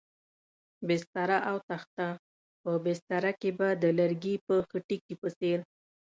بستره او تخته، په بستره کې به د لرګي په خټکي په څېر.